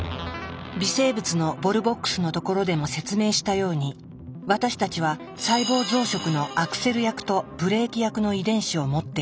微生物のボルボックスのところでも説明したように私たちは細胞増殖のアクセル役とブレーキ役の遺伝子を持っている。